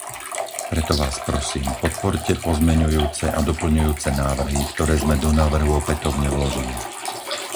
Preto vás prosím, podporte pozmeňujúce a doplňujúce návrhy, ktoré sme do návrhu opätovne vložili.